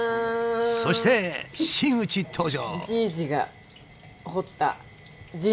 そして真打ち登場！